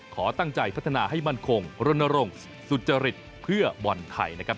ขอตั้งใจพัฒนาให้มั่นคงรณรงค์สุจริตเพื่อบอลไทยนะครับ